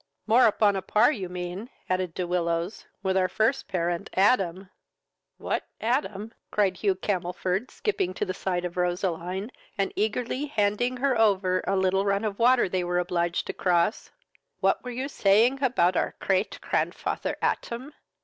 "More upon a par, you mean, (added De Willows,) with our first parent Adam." "What Atam? (cried Hugh Camelford, skipping to the side of Roseline, and eagerly handing her over a little run of water they were obliged to cross,) what were you saying about our crate crandfather Atam?